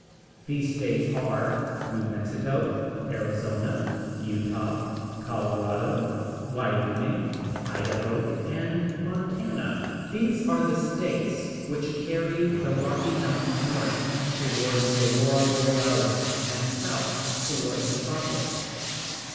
These states are New Mexico, Arizona, Utah, Colorado, Wyoming, Idaho, and Montana. These are the states which carry the Rocky Mountains north toward the Aurora Borealis, and south toward the tropics.